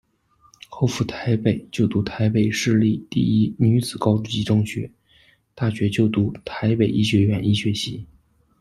后赴台北就读台北市立第一女子高级中学，大学就读台北医学院医学系。